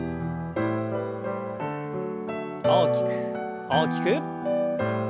大きく大きく。